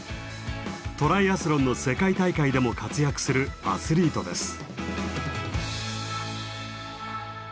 トライアスロンの世界大会でも活躍するアスリートです。